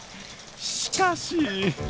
しかし。